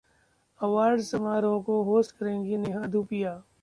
awards समारोह को host करेंगी नेहा धूपिया